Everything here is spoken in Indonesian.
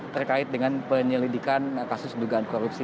terkait dengan penyelidikan kasus dugaan korupsi